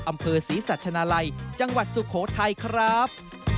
อำเภอศรีสัชนาลัยจังหวัดสุโขทัยครับ